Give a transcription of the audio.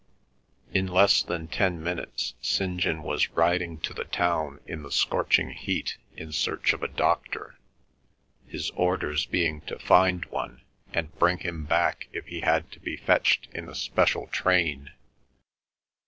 In less than ten minutes St. John was riding to the town in the scorching heat in search of a doctor, his orders being to find one and bring him back if he had to be fetched in a special train.